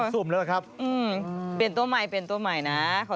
ตอนเป็นข่าวนี่แหละ